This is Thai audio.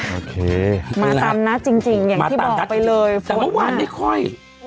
โอเคมาตามนัดจริงจริงอย่างที่บอกไปเลยแต่เมื่อวานไม่ค่อย